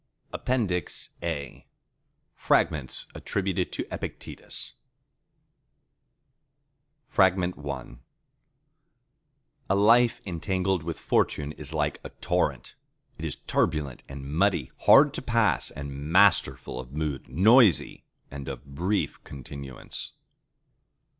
(APPENDIX A) Fragments Attributed to Epictetus I A life entangled with Fortune is like a torrent. It is turbulent and muddy; hard to pass and masterful of mood: noisy and of brief continuance.